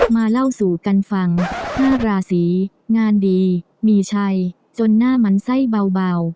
มาเล่าสู่กันฟัง๕ราศีงานดีมีชัยจนหน้ามันไส้เบา